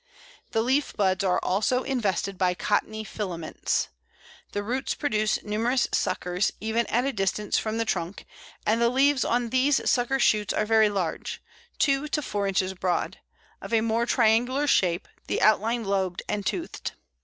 The leaf buds are also invested by cottony filaments. The roots produce numerous suckers, even at a distance from the trunk, and the leaves on these sucker shoots are very large two to four inches broad of a more triangular shape, the outline lobed and toothed.